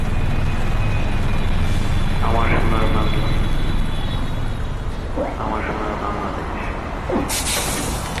জন শৃংখলা বিষয়ক অপরাধ এটি পূর্বে আলোচিত ঐক্যমত্য ভিত্তিক ধারণার সাথে সম্পর্কিত।